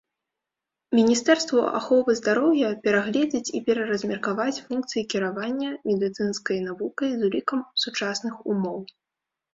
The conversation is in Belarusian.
Міністэрству аховы здароўя перагледзець і пераразмеркаваць функцыі кіравання медыцынскай навукай з улікам сучасных умоў.